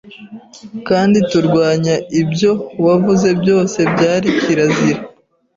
Kandi turwanya ibyo wavuze byose byari kirazira